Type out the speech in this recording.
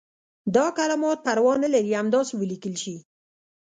دا کلمات پروا نه لري همداسې ولیکل شي.